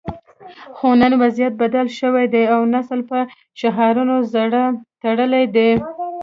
خو نن وضعیت بدل شوی دی او نسل په شعارونو زړه تړلی دی